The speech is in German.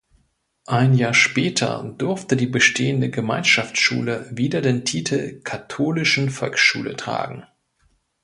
Ein Jahr später durfte die bestehende Gemeinschaftsschule wieder den Titel "katholischen Volksschule" tragen.